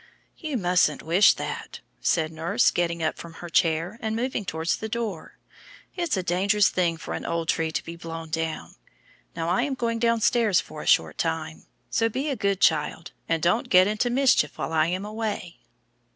"You mustn't wish that," said nurse, getting up from her chair and moving towards the door; "it's a dangerous thing for an old tree to be blown down. Now I am going downstairs for a short time, so be a good child and don't get into mischief while I am away."